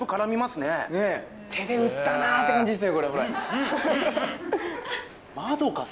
手で打ったなって感じですね